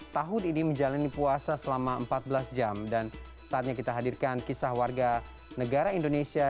tahun ini menjalani puasa selama empat belas jam dan saatnya kita hadirkan kisah warga negara indonesia